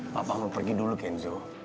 bapak mau pergi dulu kenzo